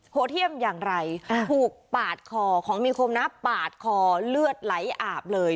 เที่ยมอย่างไรถูกปาดคอของมีคมนะปาดคอเลือดไหลอาบเลย